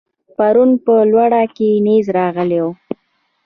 پرون په لوړه کې نېز راغلی و.